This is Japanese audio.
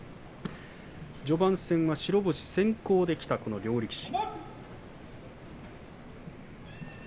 序盤戦は白星先行できた両力士。